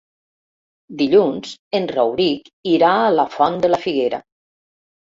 Dilluns en Rauric irà a la Font de la Figuera.